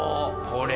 これ。